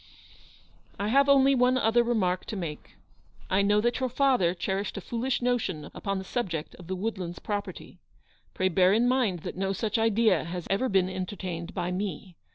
" I have only one other remark to make. I know that your father cherished a foolish notion upon the subject of the Woodlands property. Pray bear in mind that no such idea has ever been entertained by me.